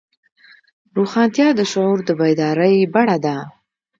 روښانتیا د شعور د بیدارۍ بڼه ده.